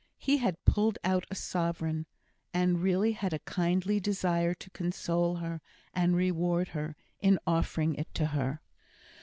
He had pulled out a sovereign, and really had a kindly desire to console her, and reward her, in offering it to her.